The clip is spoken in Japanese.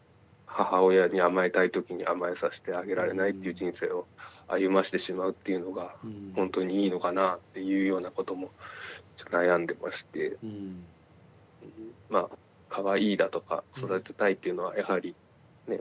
母親に甘えたい時に甘えさしてあげられないっていう人生を歩ましてしまうっていうのがほんとにいいのかなっていうようなこともちょっと悩んでましてまあかわいいだとか育てたいっていうのはやはりね